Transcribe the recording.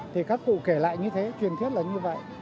thì các cụ kể lại như thế truyền thuyết là như vậy